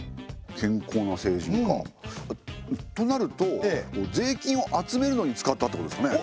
健康な成人か。となると税金を集めるのに使ったってことですかね。